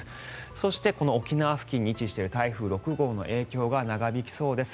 そして、この沖縄付近に位置している台風６号の影響が長引きそうです。